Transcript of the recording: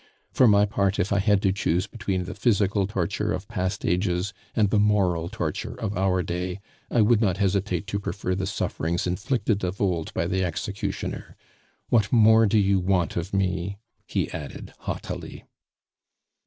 For my part, if I had to choose between the physical torture of past ages and the moral torture of our day, I would not hesitate to prefer the sufferings inflicted of old by the executioner. What more do you want of me?" he added haughtily.